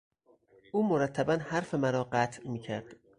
او مرتبا حرف مرا قطع میکرد.